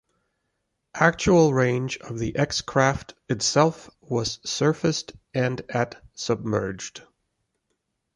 Actual range of the X-Craft itself was surfaced and at submerged.